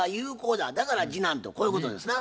だから次男とこういうことですな？